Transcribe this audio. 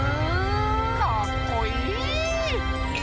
かっこいい！